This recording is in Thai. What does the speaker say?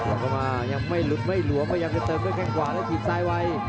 เข้ามายังไม่หลุดไม่หลวมพยายามจะเติมด้วยแข้งขวาแล้วถีบซ้ายไว้